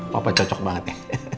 papa cocok banget ya